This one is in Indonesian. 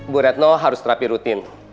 bu retno harus terapi rutin